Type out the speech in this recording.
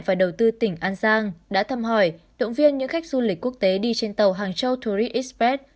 và đầu tư tỉnh an giang đã thăm hỏi động viên những khách du lịch quốc tế đi trên tàu hàng châu thuri express